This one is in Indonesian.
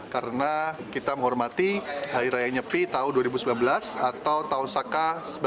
karena kita menghormati hari raya nyepi tahun dua ribu sembilan belas atau tahun saka seribu sembilan ratus empat puluh satu